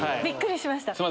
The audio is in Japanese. びっくりしました。